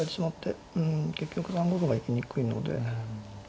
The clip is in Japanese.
うん結局３五歩が行きにくいので。